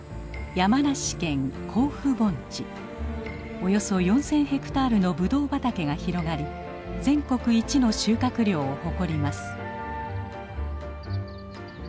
およそ４，０００ヘクタールのブドウ畑が広がり全国一の収穫量を誇ります。